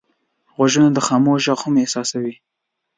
غوږونه د خاموش غږ هم احساسوي